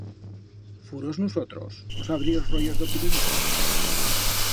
Furos nusotros, os abríos royos d'o Pirineu?